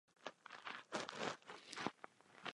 Žijí zde mnozí učitelé a studenti z Hebrejské univerzity.